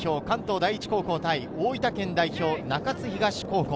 ・関東第一高校対大分県代表・中津東高校。